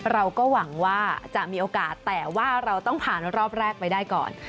เราก็หวังว่าจะมีโอกาสแต่ว่าเราต้องผ่านรอบแรกไปได้ก่อน